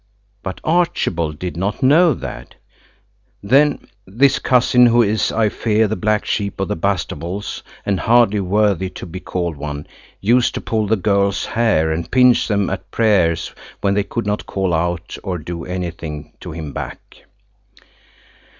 But Archibald didn't know that. Then this cousin, who is, I fear, the black sheep of the Bastables, and hardly worthy to be called one, used to pull the girls' hair, and pinch them at prayers when they could not call out or do anything to him back.